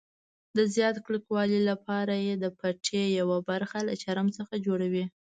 د زیات کلکوالي لپاره یې د پټۍ یوه برخه له چرم څخه جوړوي.